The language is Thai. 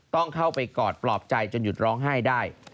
ต้องเข้าไปกอดปลอบใจจนหยุดร้องไห้ได้